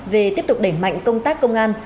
về tiếp tục đẩy mạnh công tác công an